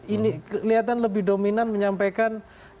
ini kelihatan lebih dominan menyampaikan